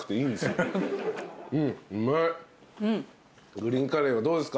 グリーンカレーはどうですか？